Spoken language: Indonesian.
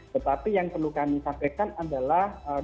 tetapi yang perlu kami sampaikan adalah